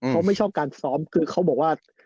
เขาไม่ชอบการซ้อมคือเขาบอกว่า